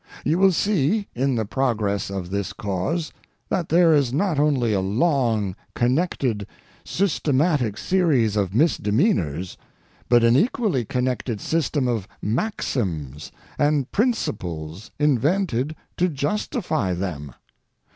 "You will see, in the progress of this cause, that there is not only a long, connected, systematic series of misdemeanors, but an equally connected system of maxims and principles invented to justify them.